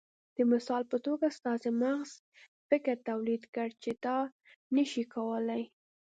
د مثال په توګه ستاسې مغز فکر توليد کړ چې ته دا نشې کولای.